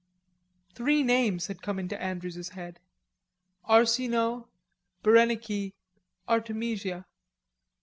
Three names had come into Andrews's head, "Arsinoe, Berenike, Artemisia."